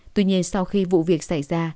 tuy nhiên sau khi vụ việc xảy ra